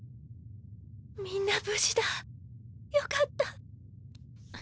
みんな無事だよかった